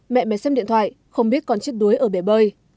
mẹ mới xem điện thoại không biết con chết đuối ở bể bơi